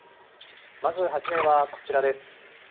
まず初めはこちらです。